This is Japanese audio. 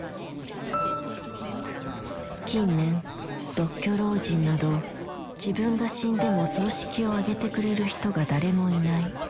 近年独居老人など自分が死んでも葬式をあげてくれる人が誰もいない